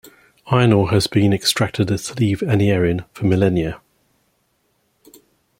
Iron Ore has been extracted at Slieve Anierin for millennia.